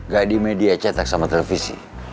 gak di media cetak sama televisi